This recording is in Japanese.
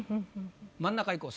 真ん中いこう。